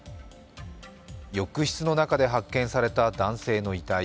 浴室の中で発見された男性の遺体。